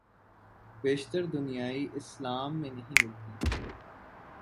بیشتر دنیائے اسلام میں نہیں ملتی۔